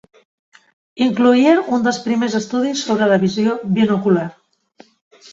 Incloïa un dels primers estudis sobre la visió binocular.